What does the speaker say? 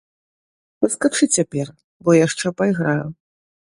Паскачы цяпер, бо яшчэ пайграю.